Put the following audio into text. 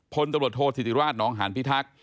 พลตำรวจโทษธิติราชนองหานพิทักษ์